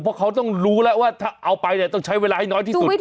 เพราะเขาต้องรู้แล้วว่าถ้าเอาไปเนี่ยต้องใช้เวลาให้น้อยที่สุด